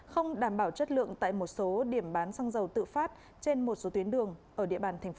không đảm bảo chất lượng tại một số điểm bán xăng dầu tự phát trên một số tuyến đường ở địa bàn thành phố